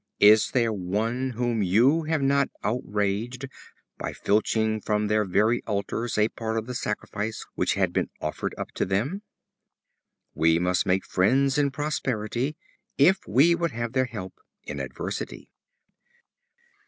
Is there one whom you have not outraged by filching from their very altars a part of the sacrifice which had been offered up to them?" We must make friends in prosperity, if we would have their help in adversity.